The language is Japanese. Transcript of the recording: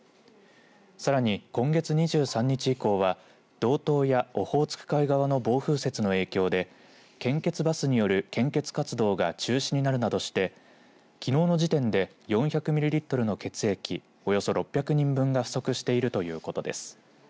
さらに、今月２３日以降は道東やオホーツク海側の暴風雪の影響で献血バスによる献血活動が中止になるなどしてきのうの時点で４００ミリリットルの血液およそ６００人分が不足しているということです。